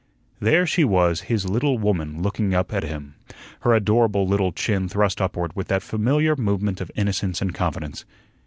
There she was, his little woman, looking up at him, her adorable little chin thrust upward with that familiar movement of innocence and confidence.